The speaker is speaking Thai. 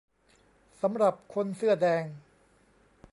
สำหรับคนเสื้อแดง